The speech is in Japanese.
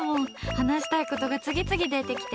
話したいことが次々出てきて。